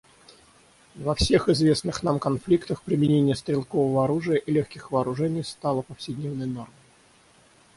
Во всех известных нам конфликтах применение стрелкового оружия и легких вооружений стало повседневной нормой.